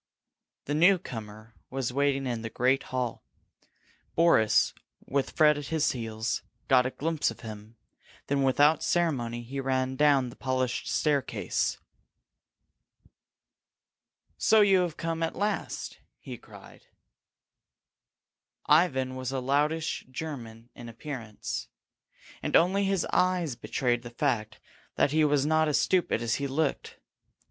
The newcomer was waiting in the great hall. Boris, with Fred at his heels, got a glimpse of him; then without ceremony he ran down the polished staircase. "So you have come at last!" he cried. Ivan was a loutish German in appearance, and only his eyes betrayed the fact that he was not as stupid as he looked.